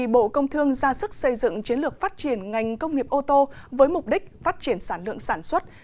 bộ công thương ra sức xây dựng chiến lược phát triển ngành công nghiệp ô tô với mục đích phát triển sản lượng sản xuất